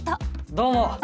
どうも。